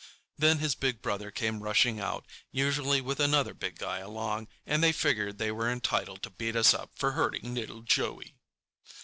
Then his big brother came rushing out, usually with another big guy along, and they figured they were entitled to beat us up for hurting little Joey.